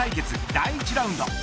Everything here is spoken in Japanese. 第１ラウンド。